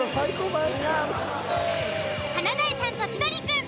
「華大さんと千鳥くん」。